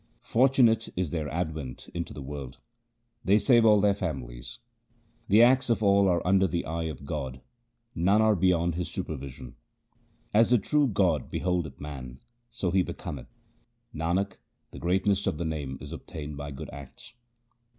Fortunate is their advent into the world ; they save all their families. The acts of all are under the eye of God ; none are beyond His supervision. As the true God beholdeth man, so he becometh. Nanak, the greatness of the Name is obtained by good acts.